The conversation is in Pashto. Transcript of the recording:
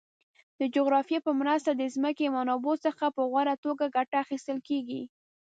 د جغرافیه په مرسته د ځمکې منابعو څخه په غوره توګه ګټه اخیستل کیږي.